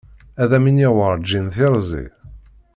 Ad am iniɣ warǧin tiṛẓi.